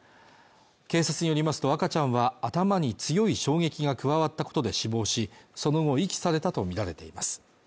警察によりますと赤ちゃんは頭に強い衝撃が加わったことで死亡しその後遺棄されたとみられています